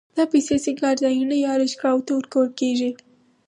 دا پیسې سینګارځایونو یا آرایشګاوو ته ورکول کېږي